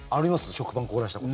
食パン凍らせたこと。